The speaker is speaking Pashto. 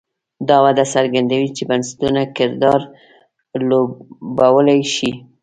دا وده څرګندوي چې بنسټونه کردار لوبولی شي.